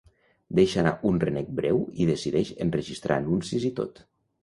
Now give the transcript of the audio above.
Deixa anar un renec breu i decideix enregistrar anuncis i tot.